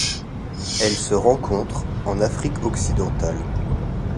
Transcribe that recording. Elle se rencontre en Afrique occidentale.